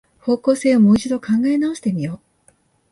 方向性をもう一度考え直してみよう